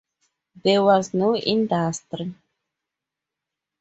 There was no industry.